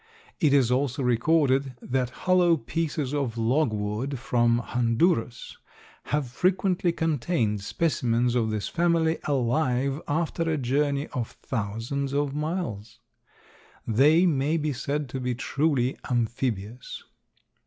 It is also recorded that hollow pieces of logwood from Honduras have frequently contained specimens of this family alive after a journey of thousands of miles. They may be said to be truly amphibious.